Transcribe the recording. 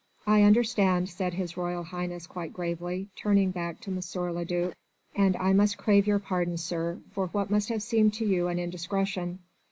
"I understand," said His Royal Highness quite gravely, turning back to M. le duc, "and I must crave your pardon, sir, for what must have seemed to you an indiscretion.